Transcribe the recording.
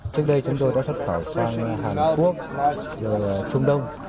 trước đây chúng tôi đã xuất khẩu sang hàn quốc trung đông